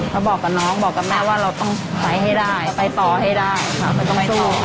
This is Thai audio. เขาบอกกับน้องบอกกับแม่ว่าเราต้องไปให้ได้ไปต่อให้ได้ค่ะก็ต้องสู้